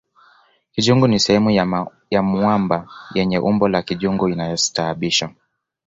kijungu ni sehemu ya mwamba yenye umbo la kijungu inayostaajabisha